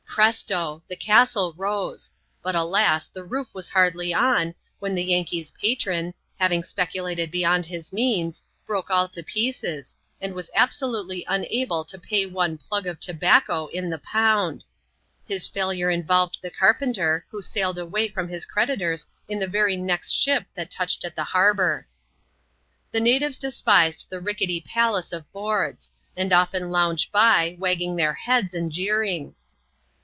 Presto ! the castk rose ; but alas, the roof was hardly on, when the Yankee's patron, having speculated beyond his means, broke all to pieces, and was absolutely unable to pay one " plug" of tobacco in the pound, ffis failure involved the carpenter, who sailed away from his creditors in the very next ship that touched at the harbour. The natives despised the rickety palace of boards ; and often lounged by, wagging their heads, and jeering.